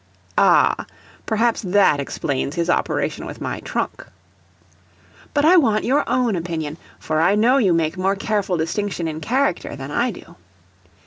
[Ah perhaps that explains his operation with my trunk.] But I want your OWN opinion, for I know you make more careful distinction in character than I do.